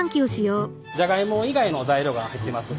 じゃがいも以外の材料が入ってます。